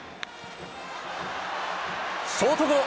ショートゴロ。